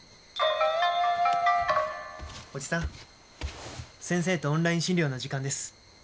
おじさん先生とオンライン診療の時間です。